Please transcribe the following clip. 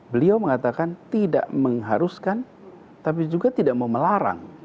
beliau mengatakan tidak mengharuskan tapi juga tidak mau melarang